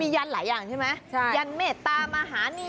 ยังไม่มี